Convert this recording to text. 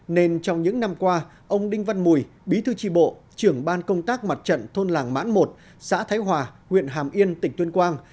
nên trong những năm qua ông đinh văn mùi bí thư tri bộ trưởng ban công tác mặt trận thôn làng mãn một xã thái hòa huyện hàm yên tỉnh tuyên quang